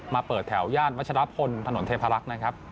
เปิดแถวย่านวัชรพลถนนเทพรักษ์นะครับ